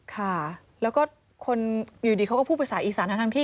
ค่ะแล้วก็คนอยู่ดีเขาก็พูดภาษาอีสานทั้งที่